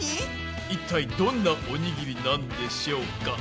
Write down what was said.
一体どんなおにぎりなんでしょうか？